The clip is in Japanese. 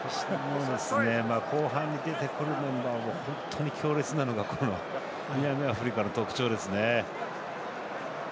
後半、出てくるメンバーが本当に強烈なのが南アフリカの特徴ですね。